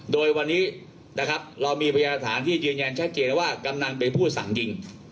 โดยวันนี้เรามีประยะฐานที่เย็นชัดเจนว่ากำนันเป็นผู้สั่งยิง